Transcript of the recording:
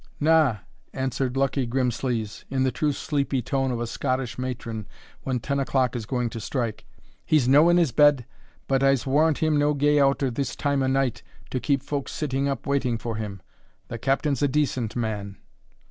"Na," answered Luckie Grimslees, in the true sleepy tone of a Scottish matron when ten o'clock is going to strike, "he's no in his bed, but I'se warrant him no gae out at this time o' night to keep folks sitting up waiting for him the Captain's a decent man."